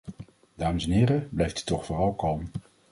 Dames en heren, blijft u toch vooral kalm.